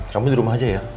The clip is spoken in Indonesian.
kamu di rumah aja ya